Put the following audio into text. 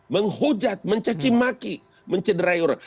menghujat mencacimaki mencederai orang